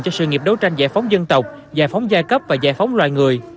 cho sự nghiệp đấu tranh giải phóng dân tộc giải phóng giai cấp và giải phóng loài người